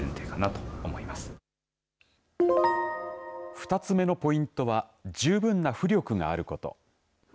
２つめのポイントは十分な浮力があること。